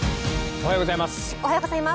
おはようございます。